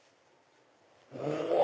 うわ！